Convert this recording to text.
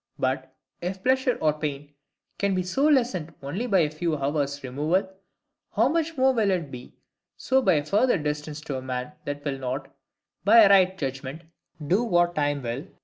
But, if pleasure or pain can be so lessened only by a few hours' removal, how much more will it be so by a further distance to a man that will not, by a right judgment, do what time will, i.